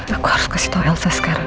aku harus kasih tau elsa sekarang